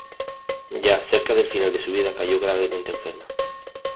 Ya cerca del final de su vida, cayó gravemente enferma.